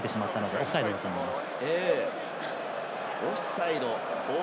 オフサイドだと思います。